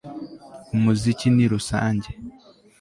Umuziki ni rusange